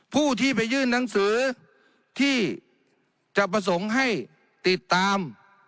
ผู้ที่ไปยื่นหนังสือที่จะประสงค์ให้ติดตาม